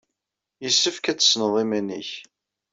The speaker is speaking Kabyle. Yessefk ad tessned iman-nnek.